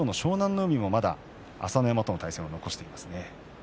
海も、まだ朝乃山との対戦を残していますね。